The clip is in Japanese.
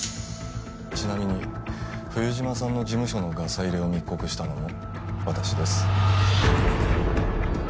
ちなみに冬島さんの事務所のガサ入れを密告したのも私です。